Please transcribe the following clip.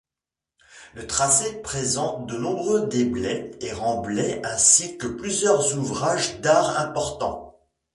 Le tracé présente de nombreux déblais et remblais ainsi que plusieurs ouvrages d'art importants.